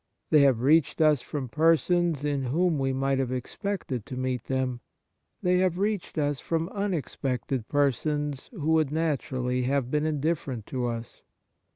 They have reached us from persons in whom we might have expected to meet them. They have reached us from unexpected Kind Actions ' 87 persons who would naturally have been indifferent to us.